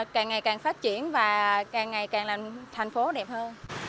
càng ngày càng phát triển và càng ngày càng làm thành phố đẹp hơn